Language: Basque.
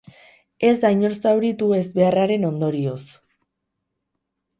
Ez da inor zauritu ezbeharraren ondorioz.